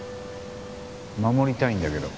護りたいんだけど。